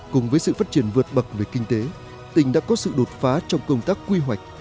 cùng với sự phát triển vượt bậc về kinh tế tỉnh đã có sự đột phá trong công tác quy hoạch